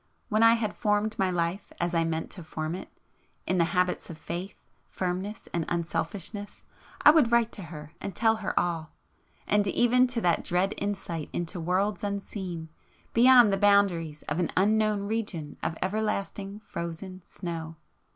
when I had formed my life as I meant to form it, in the habits of faith, firmness and unselfishness, I would write to her and tell her all,—all, even to that dread insight into worlds unseen, beyond the boundaries of an unknown region of everlasting frozen snow!